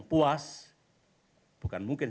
puas bukan mungkin